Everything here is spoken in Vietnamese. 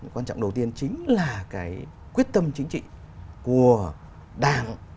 quan trọng đầu tiên chính là cái quyết tâm chính trị của đảng